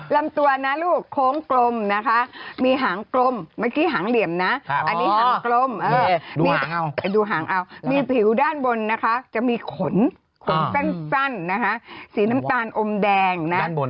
ลำตัวโค้งกลมมีหางกลมมีผิวด้านบนจะมีขนสั้นสีน้ำตาลอมแดง